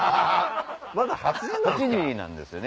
まだ８時なんですか？